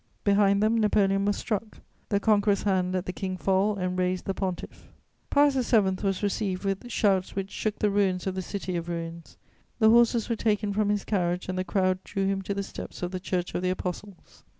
Behind them, Napoleon was struck; the conqueror's hand let the King fall and raised the Pontiff. [Sidenote: Pope Pius VII.] Pius VII. was received with shouts which shook the ruins of the city of ruins. The horses were taken from his carriage and the crowd drew him to the steps of the Church of the Apostles.